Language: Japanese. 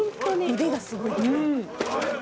腕がすごい。